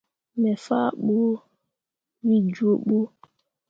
Me faa ɓu wǝ jooɓǝ.